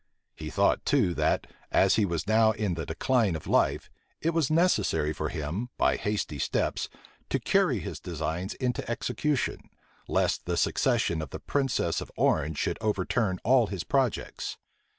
He thought too, that, as he was now in the decline of life, it was necessary for him, by hasty steps, to carry his designs into execution; lest the succession of the princess of Orange should overturn all his projects.